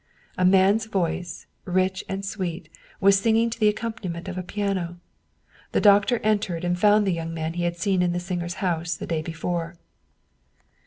A man's voice, rich and sweet, was singing to the accompaniment of a piano. The doctor en^ tered and found the young man he had seen in the singer's house the day before.